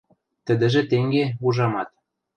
Тӹдӹжӹ тенге, ужамат.